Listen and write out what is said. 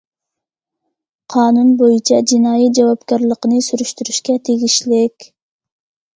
قانۇن بويىچە جىنايى جاۋابكارلىقىنى سۈرۈشتۈرۈشكە تېگىشلىك.